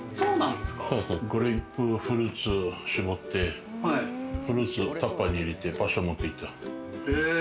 グレープフルーツをしぼってフルーツをタッパーに入れて場所に持っていった。